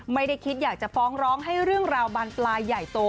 ไม่ได้คิดอยากจะฟ้องร้องให้เรื่องราวบานปลายใหญ่โต